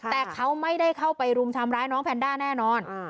แต่เขาไม่ได้เข้าไปรุมทำร้ายน้องแพนด้าแน่นอน